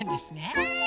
はい。